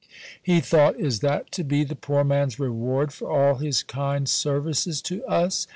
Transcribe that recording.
He thought: "Is that to be the poor man's reward for all his kind services to us?"